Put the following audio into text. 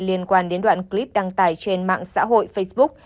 liên quan đến đoạn clip đăng tải trên mạng xã hội facebook